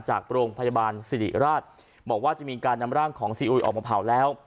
จากโรงพยาบาลสิริราชบอกว่าจะมีการนำร่างของซีอุยออกมาเผาแล้ว